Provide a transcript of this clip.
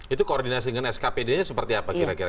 itu koordinasi dengan skpd nya seperti apa kira kira